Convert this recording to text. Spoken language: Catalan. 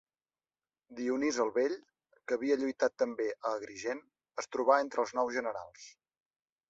Dionís el Vell, que havia lluitat també a Agrigent, es trobà entre els nous generals.